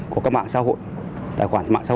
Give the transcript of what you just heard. của các mạng xã hội